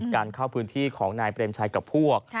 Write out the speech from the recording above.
การเข้าพื้นที่ของนายเปรมชัยกับพวก